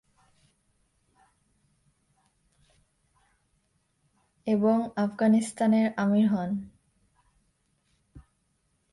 এবং আফগানিস্তানের আমির হন।